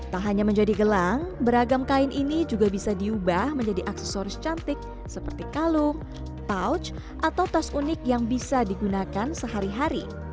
tak hanya menjadi gelang beragam kain ini juga bisa diubah menjadi aksesoris cantik seperti kalung pouch atau tas unik yang bisa digunakan sehari hari